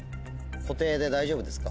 固定で大丈夫ですか？